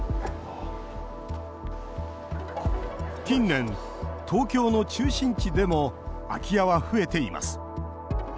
近年、東京の中心地でも空き家は増えています。